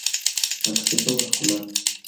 Acceso Vascular.